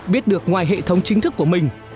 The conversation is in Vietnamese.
biết được ngoài hệ thống chính thức của mình